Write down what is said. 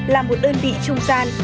là một ơn vị trung gian